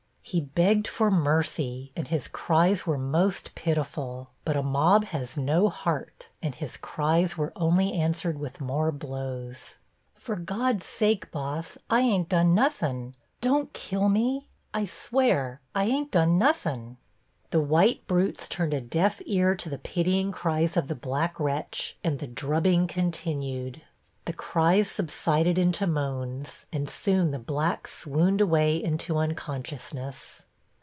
He begged for mercy, and his cries were most pitiful, but a mob has no heart, and his cries were only answered with more blows. "For God's sake, boss, I ain't done nothin'. Don't kill me. I swear I ain't done nothin'." The white brutes turned + A DEAF EAR TO THE PITYING CRIES+ of the black wretch and the drubbing continued. The cries subsided into moans, and soon the black swooned away into unconsciousness.